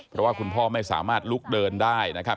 เพราะว่าคุณพ่อไม่สามารถลุกเดินได้นะครับ